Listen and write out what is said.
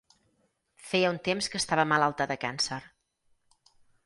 Feia un temps que estava malalta de càncer.